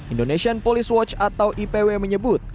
indonesian police watch atau ipw menyebut